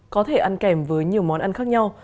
có thể ăn kèm với nhiều món ăn khác nhau